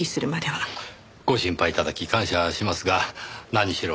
ご心配頂き感謝しますが何しろ